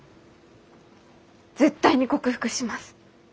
絶対に克服します。